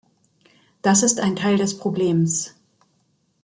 Das ist ein Teil des Problems.